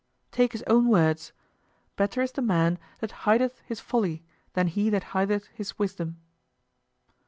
Take his own words, "Better is the man that hideth his folly than he that hideth his wisdom."